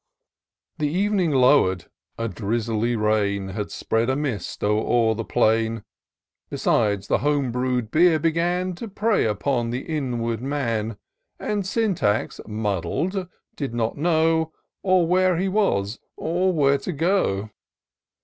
The evening lower'd, — a drizzly rain Had spread a mist o'er all the plain ; Besides, the home brew'd beer began To prey upon the inward man ; And Syntax, muddled, did not know Or where he was, or where to go.